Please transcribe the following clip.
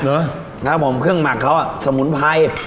นะครับผมเครื่องหมักเขาสมุนไพร